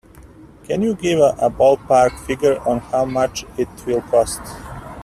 Can you give a ballpark figure on how much it will cost?